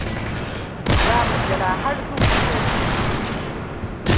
Za mu jira har duhu ya yi.